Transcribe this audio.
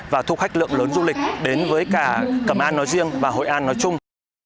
và thu khách lượng lớn du lịch đến với cả cẩm an nói riêng và hội an nói chung